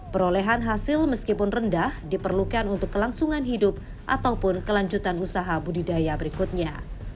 perolehan hasil meskipun rendah diperlukan untuk kelangsungan hidup ataupun kelanjutan usaha budidaya berikutnya